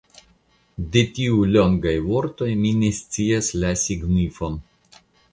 De tiuj longaj vortoj mi ne scias la signifon.